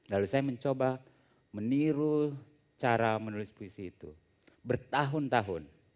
lalu saya mencoba meniru cara menulis puisi itu bertahun tahun